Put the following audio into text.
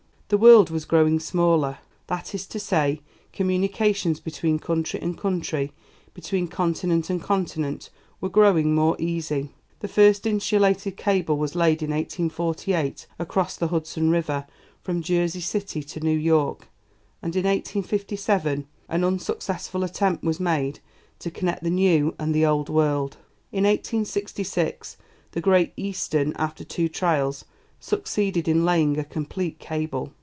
The world was growing smaller that is to say, communications between country and country, between continent and continent, were growing more easy. The first insulated cable was laid in 1848, across the Hudson River, from Jersey City to New York, and in 1857 an unsuccessful attempt was made to connect the New and the Old World. In 1866 the Great Eastern, after two trials, succeeded in laying a complete cable.